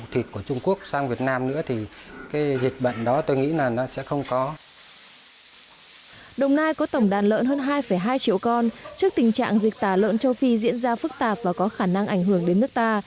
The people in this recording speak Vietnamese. trước tình trạng dịch tả lợn châu phi diễn ra phức tạp và có khả năng ảnh hưởng đến nước ta